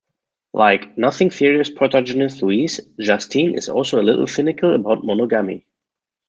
Like "Nothing Serious" protagonist Louise, Justine is also a little cynical about monogamy.